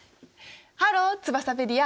ハローツバサペディア。